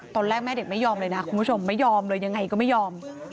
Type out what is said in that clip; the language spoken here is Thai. ตอนแรกแม่เด็กไม่ยอมเลยนะคุณผู้ชมไม่ยอมเลยยังไงก็ไม่ยอม